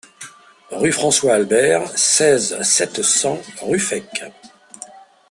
Rue François Albert, seize, sept cents Ruffec